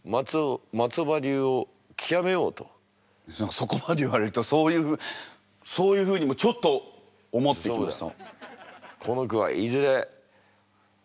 そこまで言われるとそういうふうにもちょっと思ってきました。